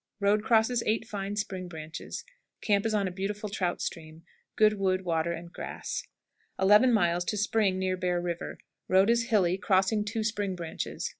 Road crosses eight fine spring branches; camp is on a beautiful trout stream. Good wood, water, and grass. 11. Spring near Bear River. Road is hilly, crossing two spring branches.